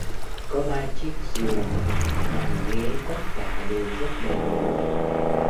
Có ba chiếc giường, bàn ghế tất cả đều rất đầy đủ